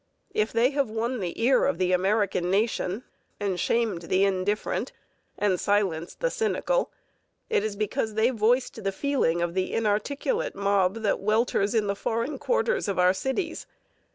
If they have won the ear of the American nation and shamed the indifferent and silenced the cynical, it is because they voiced the feeling of the inarticulate mob that welters in the foreign quarters of our cities.